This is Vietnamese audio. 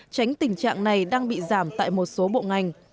tránh tình trạng này đang bị giảm tại một số bộ ngành